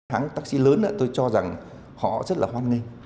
hãng tác sĩ lớn tôi cho rằng họ rất là hoan nghênh